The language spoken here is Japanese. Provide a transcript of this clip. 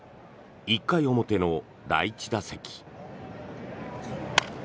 １回表の第１打席。